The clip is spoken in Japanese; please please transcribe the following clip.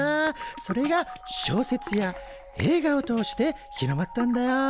それが小説や映画を通して広まったんだよ。